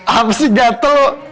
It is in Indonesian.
apa sih gatel